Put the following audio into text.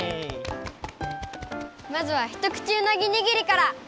まずはひとくちうなぎにぎりから！